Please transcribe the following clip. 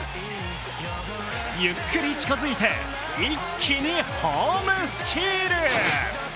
ゆっくり近づいて一気にホームスチール！